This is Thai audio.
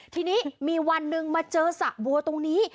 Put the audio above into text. ทีนี้มีวันหนึ่งมาเจอสระบัวตรงนี้